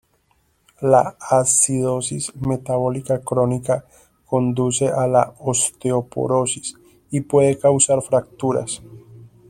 La acidosis metabólica crónica conduce a la osteoporosis y puede causar fracturas.